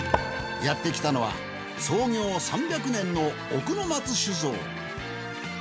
やってきたのは創業３００年の奥の松酒造。